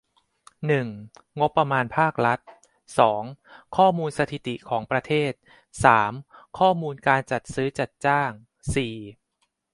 หนึ่ง งบประมาณภาครัฐ สอง ข้อมูลสถิติของประเทศ สาม ข้อมูลการจัดซื้อ จัดจ้าง สี่